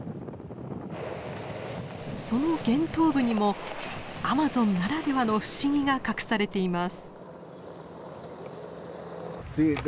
その源頭部にもアマゾンならではの不思議が隠されています。